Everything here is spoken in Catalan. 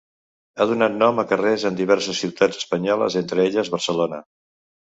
Ha donat nom a carrers en diverses ciutats espanyoles, entre elles, Barcelona.